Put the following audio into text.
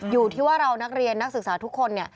อยู่ที่ว่าเรานักเรียนนักศึกษาทุกคน